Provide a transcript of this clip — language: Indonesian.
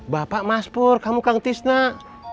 bapak mas pur kamu kang tis nak